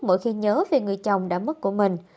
mỗi khi nhớ về người chồng đã mất của mình